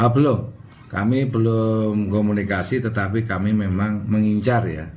belum kami belum komunikasi tetapi kami memang mengincar ya